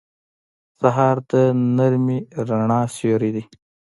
سهار د نرمې رڼا سیوری دی.